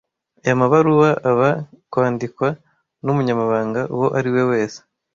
Aya mabaruwa aba kwandikwa numunyamabanga uwo ari we wese.